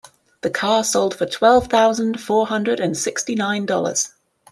The car sold for twelve thousand four hundred and sixty nine dollars.